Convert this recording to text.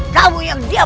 kamu yang diam